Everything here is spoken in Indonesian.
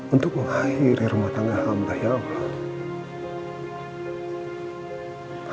untuk mengakhiri rumah tangga hamba ya allah